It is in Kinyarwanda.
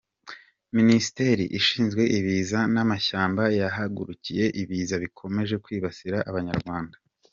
Minisiteri ishinzwe ibiza namashyamba yahagurukiye ibiza bikomeje kwibasira Abanyarwanda